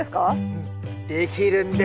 うんできるんです！